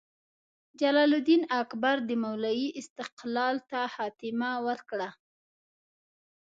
جلال الدین اکبر د مالوې استقلال ته خاتمه ورکړه.